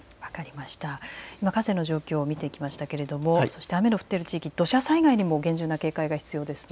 今、河川の状況を見てきましたけれども雨の降っている地域、土砂災害にも厳重な警戒が必要ですね。